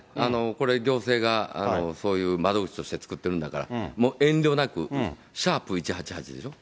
これ、行政がそういう窓口として作っているんだから、遠慮なく、＃１８８でしょ？